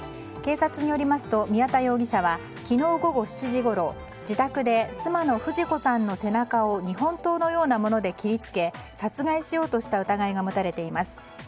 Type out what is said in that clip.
警察によりますと宮田容疑者は昨日午後７時ごろ自宅で妻の富士子さんの背中を日本刀のようなもので切りつけ、殺害しようとした疑いが持たれています。